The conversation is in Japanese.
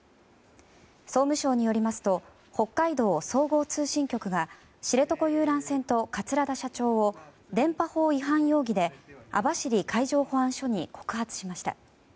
総務省によりますと北海道総合通信局が知床遊覧船と桂田社長を電波法違反容疑で網走海上保安署に告発しました。